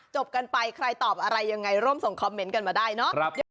จบกันไปใครตอบอะไรยังไงร่วมส่งคอมเมนต์กันมาได้เนอะ